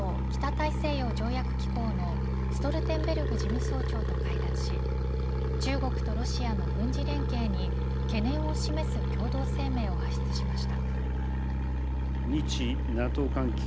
岸田総理大臣は、今日ＮＡＴＯ北大西洋条約機構のストルテンベルグ事務総長と会談し中国とロシアの軍事連携に懸念を示す共同声明を発出しました。